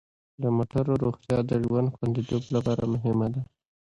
د موټرو روغتیا د ژوند خوندیتوب لپاره مهمه ده.